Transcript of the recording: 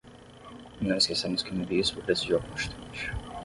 Não esqueçamos que um bispo presidiu a Constituinte